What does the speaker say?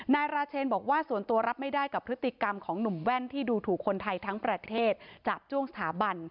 นายราเชนบอกว่าส่วนตัวรับไม่ได้กับพฤติกรรมของหนุ่มแว่นที่ดูถูกคนไทยทั้งประเทศจาบจ้วงสถาบัน